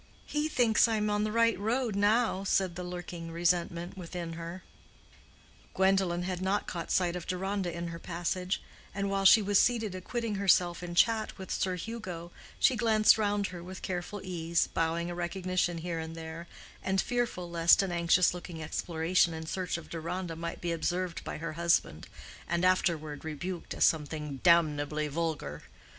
"He thinks I am in the right road now," said the lurking resentment within her. Gwendolen had not caught sight of Deronda in her passage, and while she was seated acquitting herself in chat with Sir Hugo, she glanced round her with careful ease, bowing a recognition here and there, and fearful lest an anxious looking exploration in search of Deronda might be observed by her husband, and afterward rebuked as something "damnably vulgar."